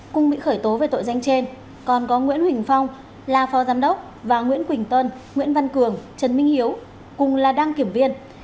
cùng bị khởi tố về tội danh trên còn có nguyễn huỳnh phong là phó giám đốc và nguyễn quỳnh tân nguyễn văn cường trần minh hiếu cùng là đăng kiểm viên